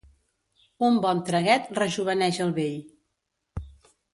Un bon traguet rejoveneix el vell.